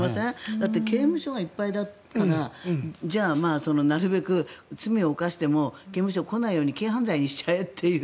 だって刑務所がいっぱいだからじゃあ、なるべく罪を犯しても刑務所に来ないように軽犯罪にしちゃえという。